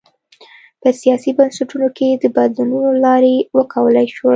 په سیاسي بنسټونو کې د بدلونونو له لارې وکولای شول.